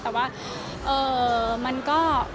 แต่ว่ามันก็